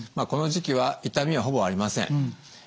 この時期は痛みはほぼありません。